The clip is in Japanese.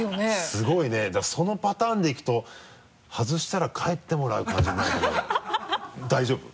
すごいねだからそのパターンでいくと外したら帰ってもらう感じになるけど大丈夫？